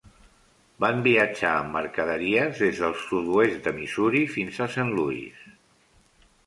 Van viatjar amb mercaderies des del sud-oest de Missouri fins a Saint Louis.